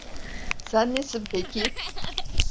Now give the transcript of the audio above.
Sen nesin peki?